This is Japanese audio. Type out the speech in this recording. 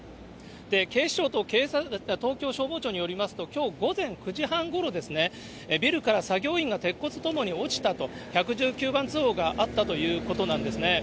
警視庁と東京消防庁によりますと、きょう午前９時半ごろですね、ビルから作業員が鉄骨とともに落ちたと、１１９番通報があったということなんですね。